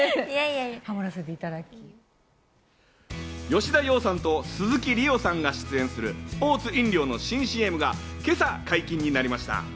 吉田羊さんと鈴木梨央さんが出演するスポーツ飲料の新ＣＭが今朝解禁になりました。